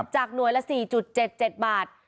หน่วยละ๔๗๗บาท